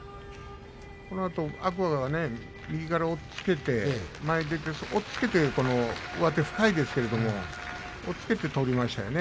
このあと天空海が右から押っつけて前に出て、押っつけて上手深いんですけれども押っつけて取りましたよね